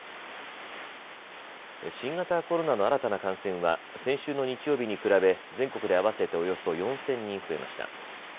新型コロナの新たな感染は先週の日曜日に比べ全国で合わせておよそ４０００人増えました。